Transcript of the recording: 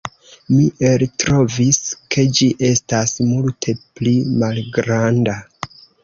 Mi eltrovis, ke ĝi estas multe pli malgranda.